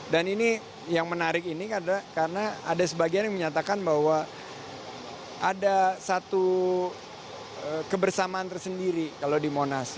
dan ini yang menarik ini karena ada sebagian yang menyatakan bahwa ada satu kebersamaan tersendiri kalau di monas